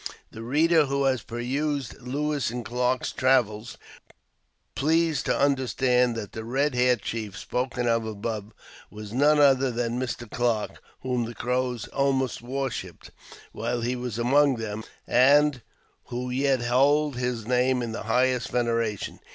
The reader who has perused Lewis and Clarke's Travels " will please to understand that the " Eed haired Chief " spoken of above was none other than Mr. Clarke, whom the Crows almost worshipped while he was among them, and who yet hold his name in the highest veneration.